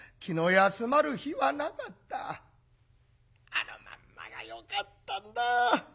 あのまんまがよかったんだ。